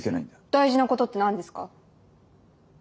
大事なことって何ですか？